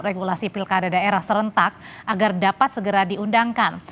regulasi pilkada daerah serentak agar dapat segera diundangkan